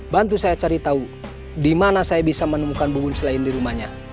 bantu saya cari tahu di mana saya bisa menemukan bubun selain di rumahnya